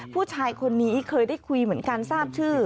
ผู้ชายคนนี้เคยได้คุยเหมือนกันทราบชื่อ